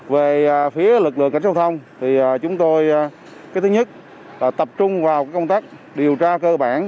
về phía lực lượng cảnh sát giao thông chúng tôi tập trung vào công tác điều tra cơ bản